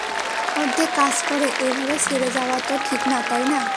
অর্ধেক কাজ করে এভাবে ছেড়ে যাওয়া তো ঠিক না, তাই না?